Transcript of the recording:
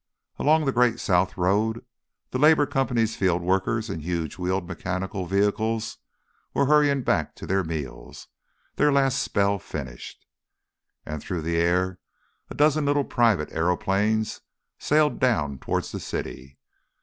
Along the great south road the Labour Company's field workers in huge wheeled mechanical vehicles, were hurrying back to their meals, their last spell finished. And through the air a dozen little private aëroplanes sailed down towards the city.